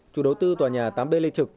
chủ đầu tư tòa nhà tám b lê trực